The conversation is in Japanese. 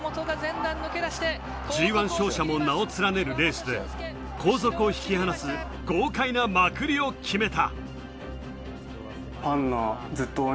Ｇ１勝者も名を連ねるレースで後続を引き離す豪快なまくりを決めた。